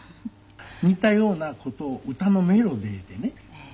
似たような事を歌のメロディーでねその方に。